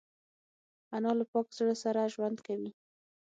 انا له پاک زړه سره ژوند کوي